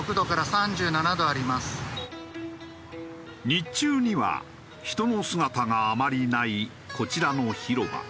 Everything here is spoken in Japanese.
日中には人の姿があまりないこちらの広場。